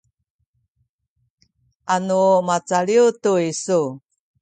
anu macaliw tu isu